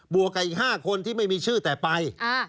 วกกับอีก๕คนที่ไม่มีชื่อแต่ไป